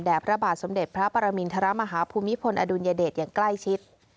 พระบาทสมเด็จพระปรมินทรมาฮภูมิพลอดุลยเดชอย่างใกล้ชิด